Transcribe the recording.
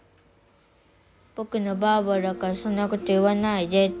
僕のばぁばだからそんなこと言わないでって。